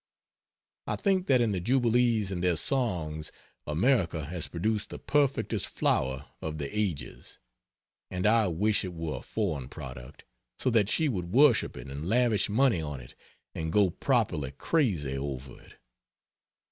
I think that in the Jubilees and their songs America has produced the perfectest flower of the ages; and I wish it were a foreign product, so that she would worship it and lavish money on it and go properly crazy over it.